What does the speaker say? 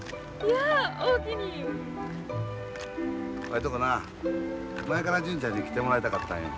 いとこな前から純ちゃんに来てもらいたかったんよ。